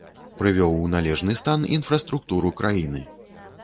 Прывёў у належны стан інфраструктуру краіны.